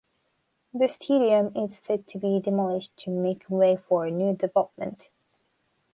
The stadium is set to be demolished to make way for a new development.